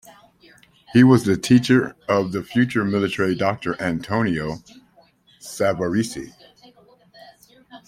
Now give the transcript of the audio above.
He was the teacher of the future military doctor Antonio Savaresi.